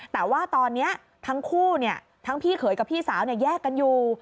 แต่ว่าตอนนี้ทั้งคู่ทั้งพี่เขยกับพี่สาวแยกกันอยู่